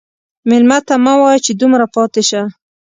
مېلمه ته مه وایه چې دومره پاتې شه.